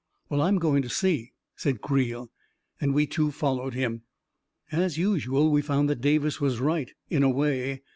" Well, I am going to see," said Creel; and we two followed him. As usual, we found that Davis was right, in a way.